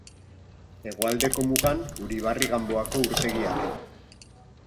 Hegoaldeko mugan, Uribarri Ganboako urtegia du.